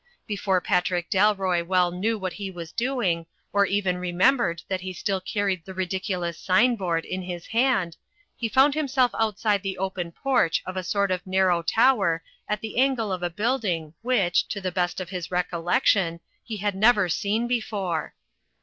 Before Patrick Dalroy well knew what he was doing, or even remembered that he still carried the ridiculous sign board in his hand, he found himself outside the open porch of a sort of narrow tower at the angle of a building which, to the best of his recollection, he had never seen before.